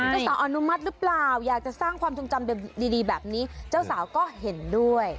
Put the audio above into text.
เจ้าสาวอนุมัติหรือเปล่าอยากจะสร้างความทรงจำดีแบบนี้เจ้าสาวก็เห็นด้วย